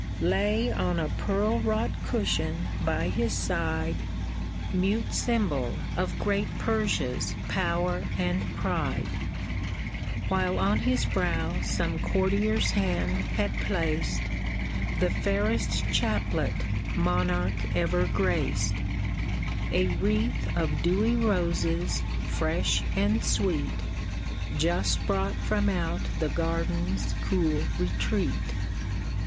Lay on a pearl wrought cushion by his side, VASHTI'S SCROLL 33 Mute symbol of great Persia's power and pride ; While on his brow some courtier's hand had placed The fairest chaplet monarch ever graced, A wreath of dewy roses, fresh and sweet, Just brought from out the garden's cool retreat.